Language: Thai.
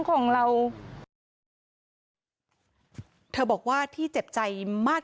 แต่เธอก็ไม่ละความพยายาม